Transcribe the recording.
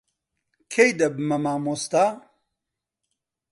کەی دەبمە مامۆستا؟